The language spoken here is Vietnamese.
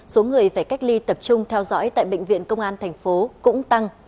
số người phải cách ly tập trung theo dõi tại bệnh viện công an thành phố cũng tăng